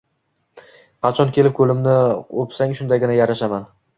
Qachon kelib ko'limni o'psang, shundagina yarashaman.